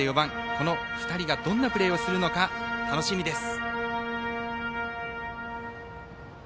この２人がどんなプレーをするのか楽しみです。